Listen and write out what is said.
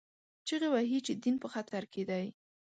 چیغې وهي چې دین په خطر کې دی